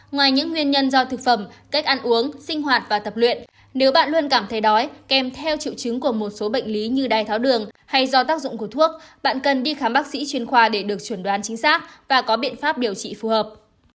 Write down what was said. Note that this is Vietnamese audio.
ngoài những nguyên nhân do thực phẩm cách ăn uống sinh hoạt và tập luyện nếu bạn luôn cảm thấy đói kèm theo triệu chứng của một số bệnh lý như đai tháo đường hay do tác dụng của thuốc bạn cần đi khám bác sĩ chuyên khoa để được chuẩn đoán chính xác và có biện pháp điều trị phù hợp